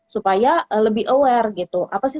supaya lebih aware gitu apa sih